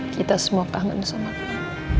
kita semua kangen sama dia